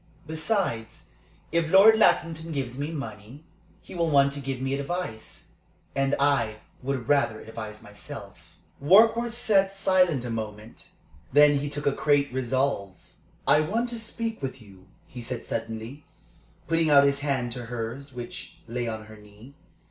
"Besides, if Lord Lackington gives me money, he will want to give me advice. And I would rather advise myself." Warkworth sat silent a moment. Then he took a great resolve. "I want to speak to you," he said, suddenly, putting out his hand to hers, which lay on her knee.